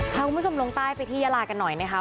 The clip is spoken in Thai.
พาคุณผู้ชมลงใต้ไปที่ยาลากันหน่อยนะคะ